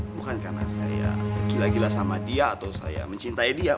bukan karena saya gila gila sama dia atau saya mencintai dia